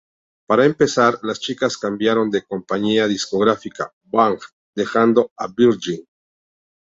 Para empezar, las chicas cambiaron de compañía discográfica: Bang!, dejando a Virgin.